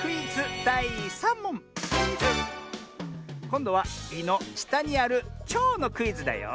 こんどは「い」のしたにあるちょうのクイズだよ。